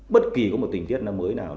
bất kỳ có một tình tiết nào mới nào